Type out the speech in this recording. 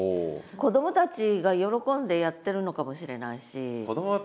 子どもたちが喜んでやってるのかもしれないし。